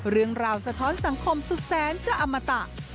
เรื่องราวสะท้อนสังคมสุดแสนจากอมตะ